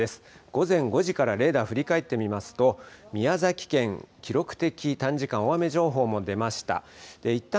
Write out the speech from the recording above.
午前５時からレーダー振り返ってみますと、宮崎県、記録的短時間大雨情報も出ました。